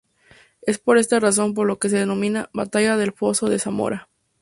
Es por esta razón por lo que se denomina "Batalla del foso de Zamora".